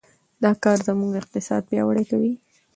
دا کار زموږ اقتصاد پیاوړی کوي.